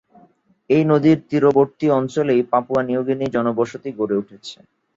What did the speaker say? এই নদীর তীরবর্তী অঞ্চলেই পাপুয়া নিউ গিনি জনবসতি গড়ে উঠেছে।